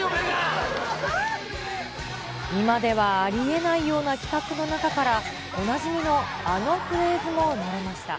今ではありえないような企画の中から、おなじみのあのフレーズも生まれました。